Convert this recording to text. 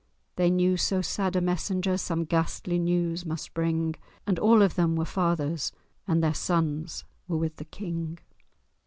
They knew so sad a messenger Some ghastly news must bring; And all of them were fathers, And their sons were with the King.